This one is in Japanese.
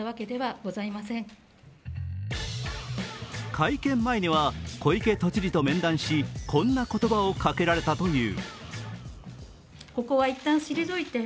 会見前には小池都知事と面談し、こんな言葉をかけられたという。